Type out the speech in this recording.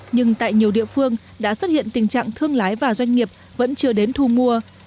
nhưng tại nhiều địa phương đã xuất hiện tình trạng thương lái và doanh nghiệp vẫn chưa đến thu mua